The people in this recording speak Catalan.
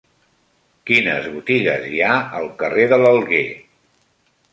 Quines botigues hi ha al carrer de l'Alguer?